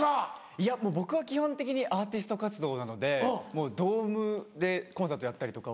いや僕は基本的にアーティスト活動なのでもうドームでコンサートやったりとか。